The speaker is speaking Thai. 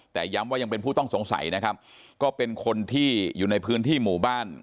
แต่ย้ำว่ายังเป็นผู้ต้องสงสัยนะครับก็เป็นคนที่อยู่ในพื้นที่หมู่บ้าน